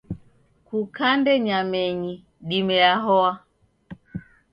Kukande nyamenyi dime yahoa.